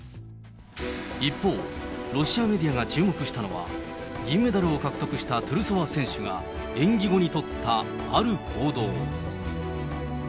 一方、ロシアメディアが注目したのは、銀メダルを獲得したトゥルソワ選手が、演技後に取ったある行動。